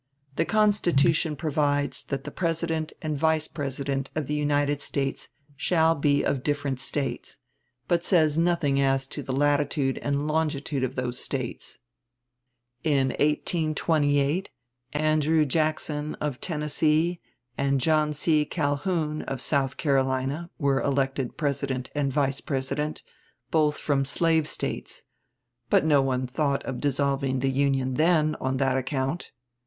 The Constitution provides that the President and Vice President of the United States shall be of different States; but says nothing as to the latitude and longitude of those States. In 1828 Andrew Jackson, of Tennessee, and John C. Calhoun, of South Carolina, were elected President and Vice President, both from slave States; but no one thought of dissolving the Union then on that account.